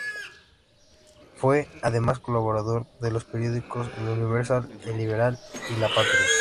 Fue, además, colaborador de los periódicos "El Universal", "El Liberal" y "La Patria".